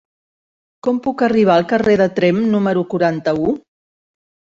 Com puc arribar al carrer de Tremp número quaranta-u?